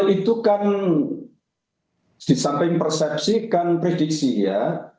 itu kan disamping persepsi kan prediksi ya